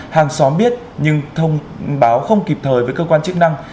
hàng xóm biết nhưng thông báo không kịp thời với cơ quan chức năng